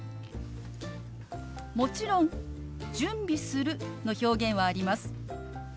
もちろん「準備する」の表現はあります。